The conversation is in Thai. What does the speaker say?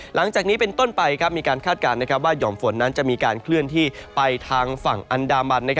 หลังจากนี้เป็นต้นไปมีการคาดการณ์ว่าห่อมฝนนั้นจะมีการเคลื่อนที่ไปทางฝั่งอันดามัน